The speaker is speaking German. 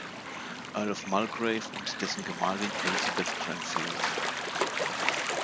Earl of Mulgrave und dessen Gemahlin Elizabeth Cranfield.